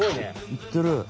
いってる。